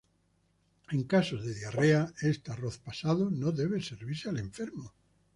Es casos de diarrea este arroz pasado no debe servirse al enfermo.